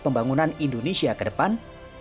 pembangunan indonesia ke depan